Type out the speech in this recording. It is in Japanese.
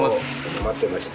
待ってました。